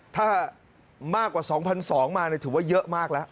ถ้ามากกว่า๒๒๐๐มาถือว่าเยอะมากแล้ว